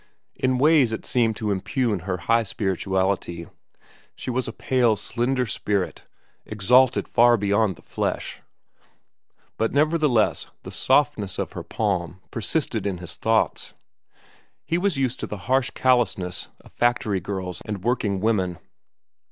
In ways it seemed to impugn her high spirituality. She was a pale, slender spirit, exalted far beyond the flesh; but nevertheless the softness of her palm persisted in his thoughts. He was used to the harsh callousness of factory girls and working women.